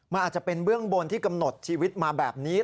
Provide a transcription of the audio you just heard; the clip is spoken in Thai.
มันอาจจะเป็นเบื้องบนที่กำหนดชีวิตมาแบบนี้